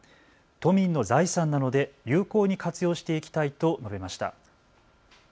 都民の財産なので有効に活用していきたいと述べました。